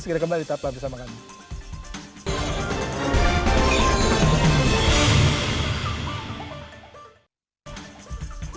segera kembali di taplap bersama kami